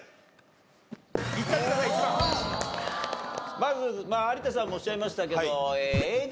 まず有田さんもおっしゃいましたけどＡＤ